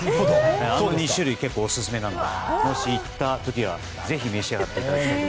あの２種類、結構オススメなのでもし行った時はぜひ召し上がっていただきたい。